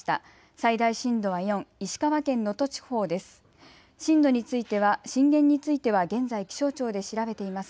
最大震度は４、石川県能登地方です。